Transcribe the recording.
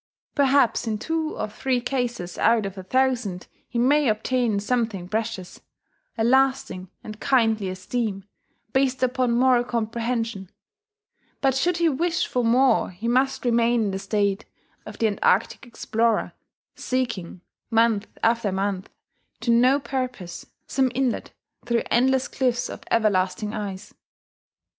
Perhaps in two or three cases out of a thousand he may obtain something precious, a lasting and kindly esteem, based upon moral comprehension; but should he wish for more he must remain in the state of the Antarctic explorer, seeking, month after month, to no purpose, some inlet through endless cliffs of everlasting ice.